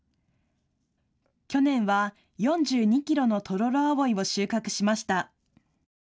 去年は４２キロのトロロアオイを収穫しました。